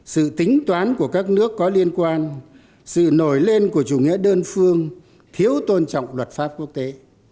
sự tính toán của các nước có liên quan sự nổi lên của chủ nghĩa đơn phương thiếu tôn trọng luật pháp quốc tế